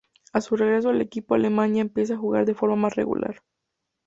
A su regreso al equipo alemán ya empieza a jugar de forma más regular.